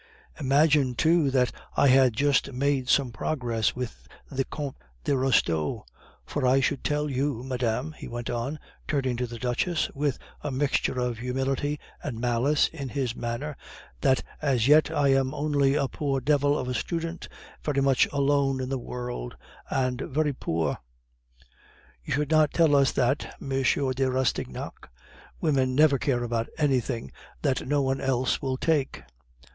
"Imagine, too, that I had just made some progress with the Comte de Restaud; for I should tell you, madame," he went on, turning to the Duchess with a mixture of humility and malice in his manner, "that as yet I am only a poor devil of a student, very much alone in the world, and very poor " "You should not tell us that, M. de Rastignac. We women never care about anything that no one else will take."